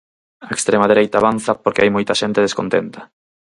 A extrema dereita avanza porque hai moita xente descontenta.